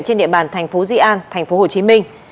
trên địa bàn thành phố di an thành phố hồ chí minh